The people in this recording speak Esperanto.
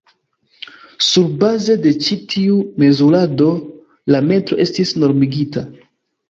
Surbaze de ĉi tiu mezurado la metro estis normigita.